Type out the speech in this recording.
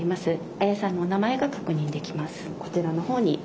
綾さんのお名前が確認できます。